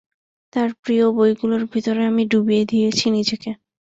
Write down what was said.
তার প্রিয় বইগুলোর ভেতরে আমি ডুবিয়ে দিয়েছি নিজেকে।